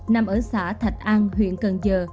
nằm ở xã thạch an huyện cần giờ